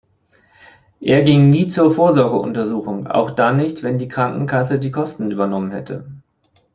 Er ging nie zur Vorsorgeuntersuchung, auch dann nicht, wenn die Krankenkasse die Kosten übernommen hätte.